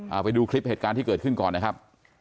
เอาไปดูคลิปเหตุการณ์ที่เกิดขึ้นก่อนนะครับ